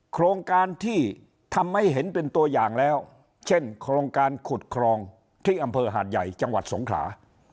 โครงการที่ทำให้เห็นเป็นตัวอย่างแล้วเช่นโครงการขุดครองที่อำเภอหาดใหญ่จังหวัดสงขลา